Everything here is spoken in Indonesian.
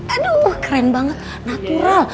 aduh keren banget natural